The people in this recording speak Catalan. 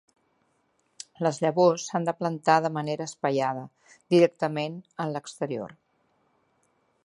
Les llavors s'han de plantar de manera espaiada, directament en l'exterior.